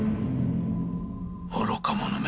愚か者め。